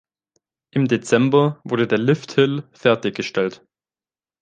Im Dezember wurde der Lifthill fertiggestellt.